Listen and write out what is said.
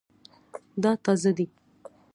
دا تازه دی